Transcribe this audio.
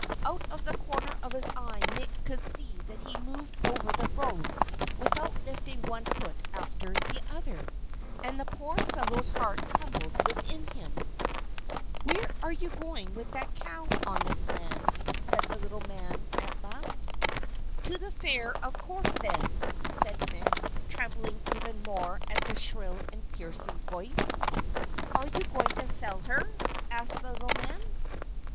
Out of the corner of his eye Mick could see that he moved over the road without lifting one foot after the other; and the poor fellow's heart trembled within him. "Where are you going with that cow, honest man?" said the little man at last. "To the Fair of Cork, then," said Mick, trembling even more at the shrill and piercing voice. "Are you going to sell her?" asked the little man.